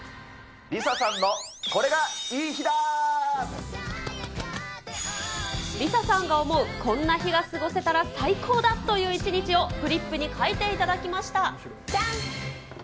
ＬｉＳＡさんのこれがいい日ＬｉＳＡさんが思う、こんな日が過ごせたら最高だという１日をフリップに書いていただじゃん！